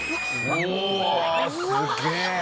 うわすげえ！